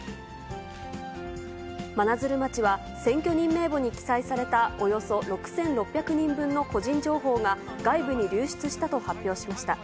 真鶴町は、選挙人名簿に記載されたおよそ６６００人分の個人情報が外部に流出したと発表しました。